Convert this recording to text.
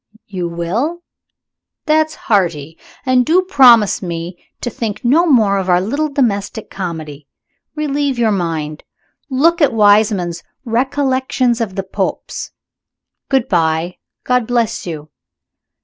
You will? That's hearty! And do promise me to think no more of our little domestic comedy. Relieve your mind. Look at Wiseman's 'Recollections of the Popes.' Good by God bless you!"